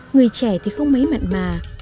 người trẻ thì không mấy mạng mà